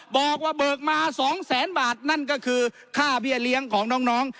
บอกว่าเบิกมา๒แสนบาทนั่นก็คือค่าเบี้ยเลี้ยงของน้อง